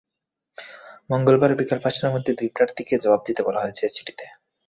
মঙ্গলবার বিকেল পাঁচটার মধ্যে দুই প্রার্থীকে জবাব দিতে বলা হয়েছে চিঠিতে।